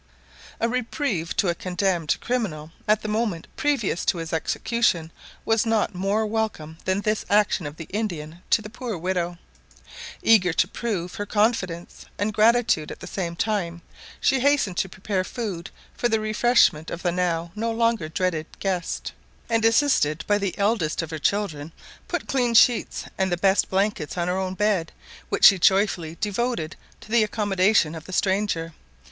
] A reprieve to a condemned criminal at the moment previous to his execution was not more welcome than this action of the Indian to the poor widow. Eager to prove her confidence and her gratitude at the same time, she hastened to prepare food for the refreshment of the now no longer dreaded guest; and, assisted by the eldest of her children, put clean sheets and the best blankets on her own bed, which she joyfully devoted to the accommodation of the stranger.